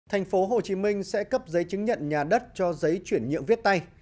thành phố hồ chí minh sẽ cấp giấy chứng nhận nhà đất cho giấy chuyển nhượng viết tay